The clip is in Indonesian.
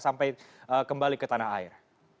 sampai kembali ke tanah air